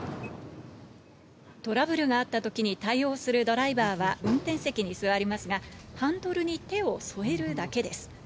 トラブルがあったときに対応するドライバーは運転席に座りますが、ハンドルに手を添えるだけです。